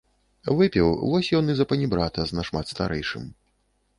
Выпіў, вось ён і запанібрата з нашмат старэйшым.